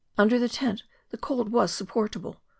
Under the tent the cold was supportable.